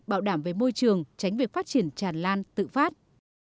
bảo đảm về môi trường tránh việc phát triển tràn lan tự phát